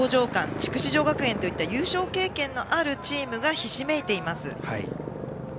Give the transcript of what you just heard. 筑紫女学園といった優勝経験のあるチームがひしめいています。